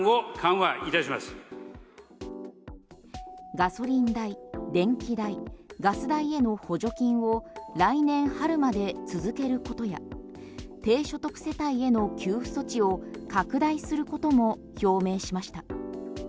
ガソリン代、電気代ガス代への補助金を来年春まで続けることや低所得世帯への給付措置を拡大することも表明しました。